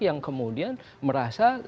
yang kemudian merasa